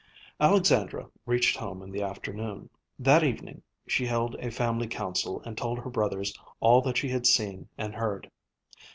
Alexandra reached home in the afternoon. That evening she held a family council and told her brothers all that she had seen and heard.